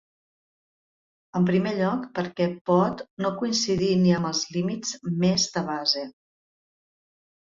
En primer lloc, perquè pot no coincidir ni amb els límits més de base.